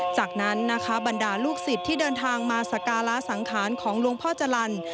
จากนั้นนะคะบรรดาลูกศิษย์ที่เดินทางมาสการะสังขารของหลวงพ่อจรรย์